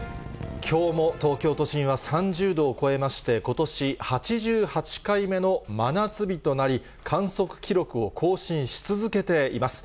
きょうも東京都心は３０度を超えまして、ことし８８回目の真夏日となり、観測記録を更新し続けています。